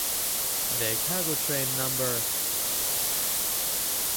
The cargo train no.